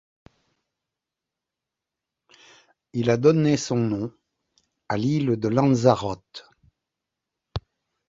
Il a donné son nom à l'île de Lanzarote.